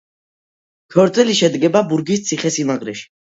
ქორწილი შედგა ბურგის ციხესიმაგრეში.